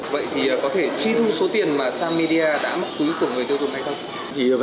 vậy thì có thể trí thu số tiền mà sang media đã mắc cúi của người tiêu dùng hay không